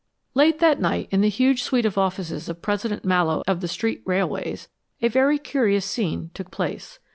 Late that night in the huge suite of offices of President Mallowe of the Street Railways, a very curious scene took place.